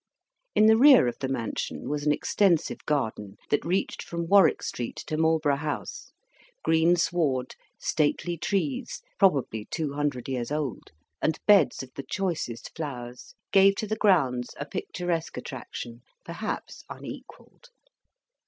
In the rear of the mansion was an extensive garden that reached from Warwick Street to Marlborough House; green sward, stately trees, (probably two hundred years old), and beds of the choicest flowers, gave to the grounds a picturesque attraction perhaps unequalled.